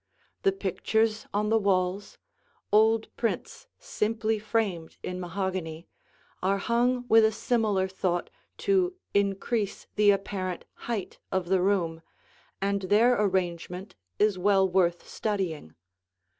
The pictures on the walls, old prints simply framed in mahogany, are hung with a similar thought to increase the apparent height of the room, and their arrangement is well worth studying.